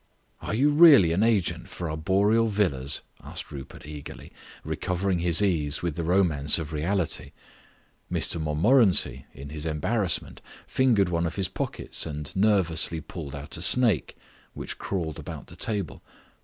"Are you really an agent for arboreal villas?" asked Rupert eagerly, recovering his ease with the romance of reality. Mr Montmorency, in his embarrassment, fingered one of his pockets and nervously pulled out a snake, which crawled about the table.